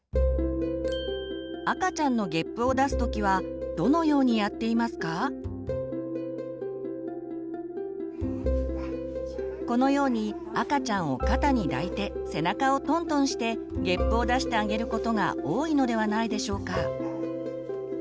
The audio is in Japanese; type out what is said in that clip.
赤ちゃんのこのように赤ちゃんを肩に抱いて背中をトントンしてげっぷを出してあげることが多いのではないでしょうか？